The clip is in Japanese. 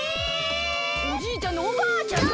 おじいちゃんのおばあちゃんが。